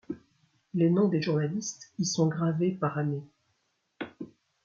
Les noms des journalistes y sont gravés par années.